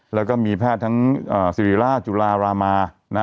แล้วก็มีแพทย์ทั้งสิริราชจุลารามา